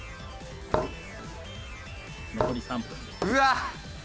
うわっ！